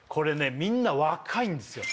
みんな若いんですよ・